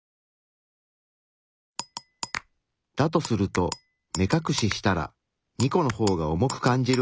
だとすると目かくししたら２個の方が重く感じるはず。